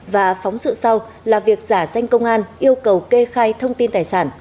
và phóng sự sau là việc giả danh công an yêu cầu kê khai thông tin tài sản